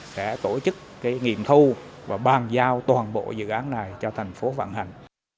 sẽ tổ chức nghiệm thu và bàn giao toàn bộ dự án này cho thành phố vận hành